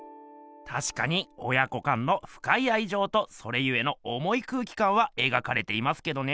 たしかに親子間のふかいあいじょうとそれゆえのおもい空気かんは描かれていますけどね。